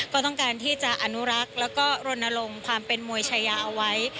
ก็ต้องการที่จะอนุรักษ์แล้วก็รณรงค์ความเป็นมวยชายาเอาไว้